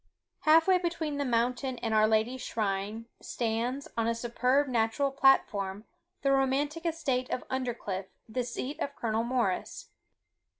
Half way between the mountain and our Lady's shrine, stands, on a superb natural platform, the romantic estate of Undercliff, the seat of Colonel Morris.